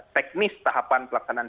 teknis tahapan pelaksanaan